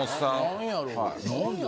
何やろ？